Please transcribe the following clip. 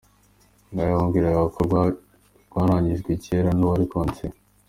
Ngo yamubwiraga ko rwarangijwe kera n’uwari konseye.